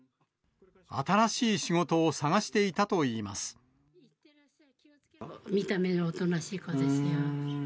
新しい仕事を探していたとい見た目はおとなしい子ですよ。